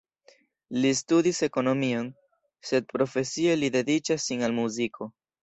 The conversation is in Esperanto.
Li studis ekonomion, sed profesie li dediĉas sin al muziko.